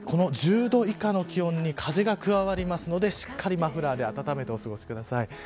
１０度以下の気温に風が加わりますのでしっかりマフラーで暖めてお過ごしください。